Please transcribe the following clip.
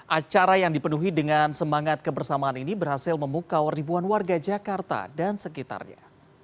acara yang dipenuhi dengan semangat kebersamaan ini berhasil memukau ribuan warga jakarta dan sekitarnya